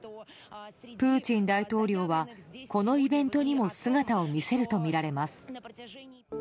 プーチン大統領はこのイベントにも姿を見せるとみられます。